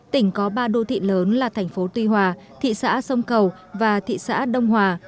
tỉnh có ba đô thị lớn là thành phố tuy hòa thị xã sông cầu và thị xã đông hòa